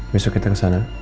besok kita kesana